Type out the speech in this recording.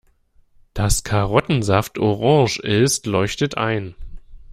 Dass Karottensaft orange ist, leuchtet ein.